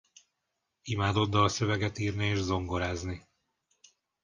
Imádott dalszöveget írni és zongorázni.